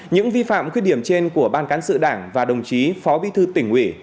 những vi phạm khuyết điểm trên của ban cán sự đảng và đồng chí phó bí thư tỉnh ủy